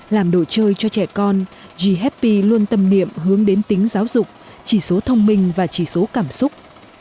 làm đồ chơi cho trẻ con ghp luôn tâm niệm hướng đến tính giáo dục chỉ số thông minh và chỉ số cảm xúc